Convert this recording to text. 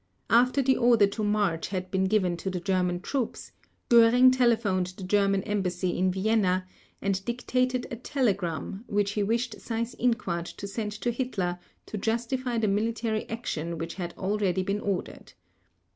After the order to march had been given to the German troops, Göring telephoned the German Embassy in Vienna and dictated a telegram which he wished Seyss Inquart to send to Hitler to justify the military action which had already been ordered.